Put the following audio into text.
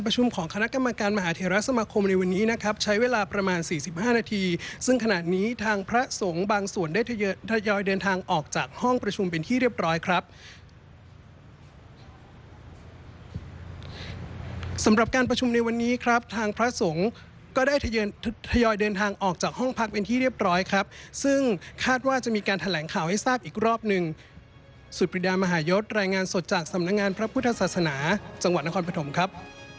ภาคศักดิ์ภาคศักดิ์ภาคศักดิ์ภาคศักดิ์ภาคศักดิ์ภาคศักดิ์ภาคศักดิ์ภาคศักดิ์ภาคศักดิ์ภาคศักดิ์ภาคศักดิ์ภาคศักดิ์ภาคศักดิ์ภาคศักดิ์ภาคศักดิ์ภาคศักดิ์ภาคศักดิ์ภาคศักดิ์ภาคศักดิ์ภาคศักดิ์